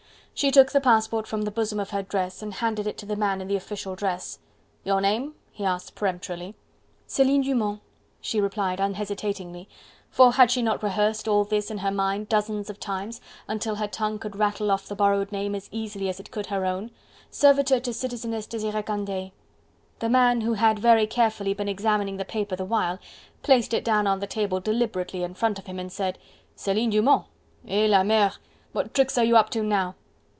She took the passport from the bosom of her dress and handed it to the man in the official dress. "Your name?" he asked peremptorily. "Celine Dumont," she replied unhesitatingly, for had she not rehearsed all this in her mind dozens of times, until her tongue could rattle off the borrowed name as easily as it could her own; "servitor to Citizeness Desiree Candeille!" The man who had very carefully been examining the paper the while, placed it down on the table deliberately in front of him, and said: "Celine Dumont! Eh! la mere! what tricks are you up to now?"